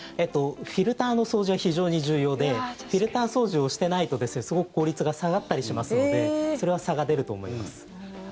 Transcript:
フィルターの掃除は非常に重要でフィルター掃除をしてないとすごく効率が下がったりしますのでそれは差が出ると思います。